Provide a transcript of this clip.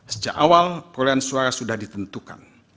sejak awal perolehan suara sudah ditentukan